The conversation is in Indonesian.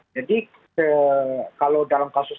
jadi kalau dalam kasus